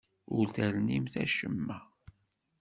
Ur ternimt acemma.